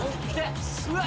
うわっ！